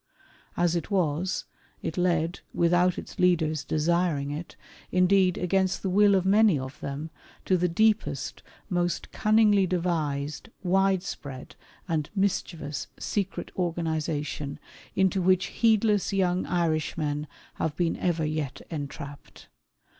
As it was, it led, without its leaders desiring it — indeed against the will of many of them — to the deepest, most cunningly devised, widespread, and mischievous, secret organization into which heedless young Irishmen have been ever yet entrapped.